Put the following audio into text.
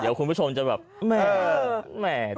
เดี๋ยวคุณผู้ชมจะแบบแหม